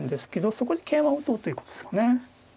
そこで桂馬を打とうということですかね。